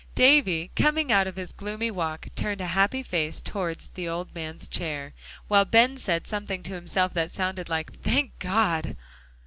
Davie, coming out of his gloomy walk, turned a happy face towards the old man's chair, while Ben said something to himself that sounded like "Thank God!"